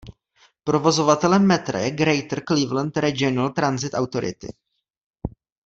Provozovatelem metra je Greater Cleveland Regional Transit Authority.